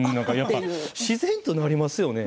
自然となりますよね。